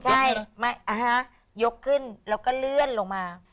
ใช่ยกขึ้นแล้วก็เลื่อนลงมา